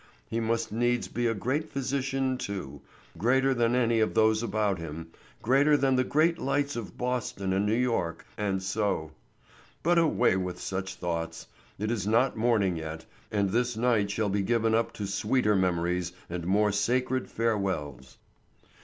He must needs be a great physician too, greater than any of those about him, greater than the great lights of Boston and New York, and so—But away with such thoughts; it is not morning yet and this night shall be given up to sweeter memories and more sacred farewells.